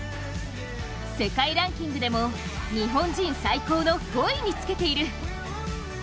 世界ランキングでも日本人最高の５位につけている。